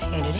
ya udah deh